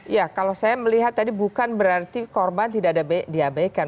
ya kalau saya melihat tadi bukan berarti korban tidak ada diabaikan